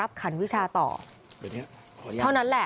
อาการชัดเลยนะคะหมอปลา